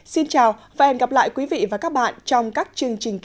xin chào và hẹn gặp lại quý vị và các bạn trong các chương trình sau